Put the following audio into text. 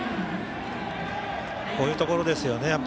こういうところですよね。